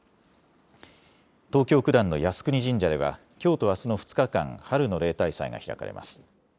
東京九段の靖国神社ではきょうとあすの２日間、春の例大祭が開かれます。